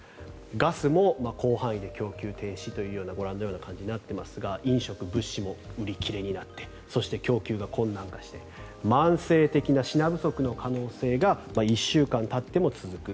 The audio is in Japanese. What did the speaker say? ガスも広範囲で供給停止というようなご覧のような感じとなっていますが飲食物資も売り切れになってそして供給が困難化して慢性的な品不足の可能性が１週間たっても続く。